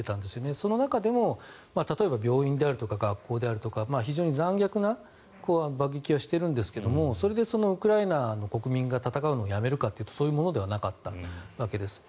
その中でも例えば病院であるとか学校であるとか非常に残虐な爆撃をしているんですがそれでウクライナの国民が戦うのをやめるかというとそういうものではなかったわけです。